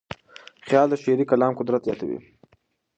خیال د شعري کلام قدرت زیاتوي.